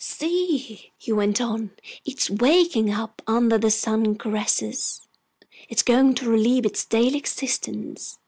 "See!" he went on. "It's waking up under the sun's caresses! It's going to relive its daily existence!